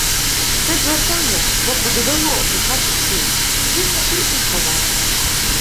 Се звертання мовби додало Вишаті сил, і він тільки й сказав: